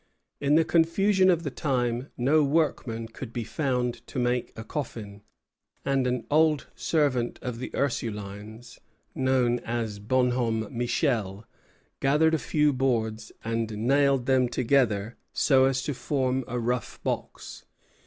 In the confusion of the time no workman could be found to make a coffin, and an old servant of the Ursulines, known as Bonhomme Michel, gathered a few boards and nailed them together so as to form a rough box.